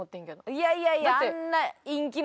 いやいやいやあんな。